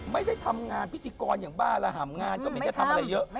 ไม่ได้ทำงานพิธีกรอย่างบ้าระห่ำงานก็มีแค่ทำอะไรเยอะ